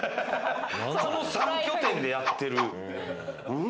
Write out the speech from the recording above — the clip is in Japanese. この３拠点でやってる。